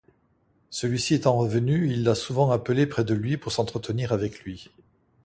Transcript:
Celui-ci étant revenu, il l'a souvent appelé près de lui pour s'entretenir avec lui.